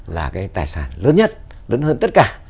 là cái tài sản lớn nhất lớn hơn tất cả